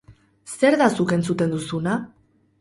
Zer da zuk entzuten duzuna?